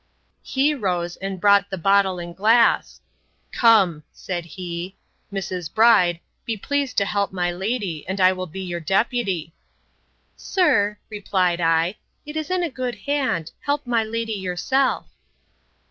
He rose and brought the bottle and glass; Come, said he, Mrs. Bride, be pleased to help my lady, and I will be your deputy. Sir, replied I, it is in a good hand; help my lady yourself.